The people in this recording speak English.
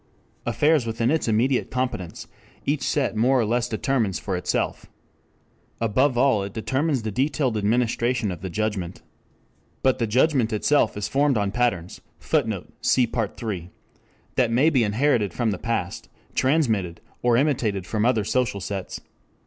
Affairs within its immediate competence each set more or less determines for itself. Above all it determines the detailed administration of the judgment. But the judgment itself is formed on patterns [Footnote: Cf. Part III] that may be inherited from the past, transmitted or imitated from other social sets.